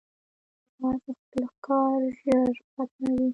باز خپل ښکار ژر ختموي